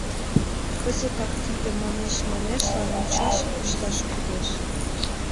Кызытак тиде манеш-манешлан мучашым пышташ кӱлеш.